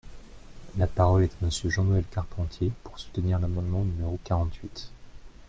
La parole est à Monsieur Jean-Noël Carpentier, pour soutenir l’amendement numéro quarante-huit.